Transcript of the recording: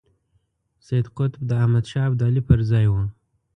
سید قطب د احمد شاه ابدالي پر ځای وو.